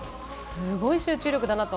すごい集中力だなと。